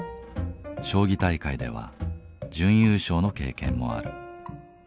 将棋大会では準優勝の経験もある。